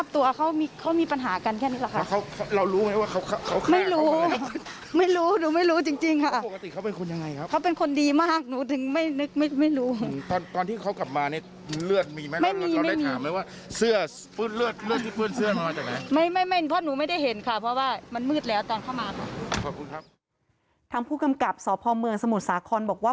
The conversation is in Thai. ทางผู้กำกับสพเมืองสมุทรสาครบอกว่า